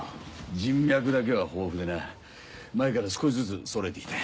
人脈だけは豊富でな前から少しずつそろえて来た。